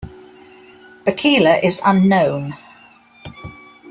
Bachiler is unknown.